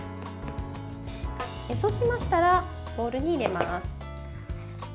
そうしましたらボウルに入れます。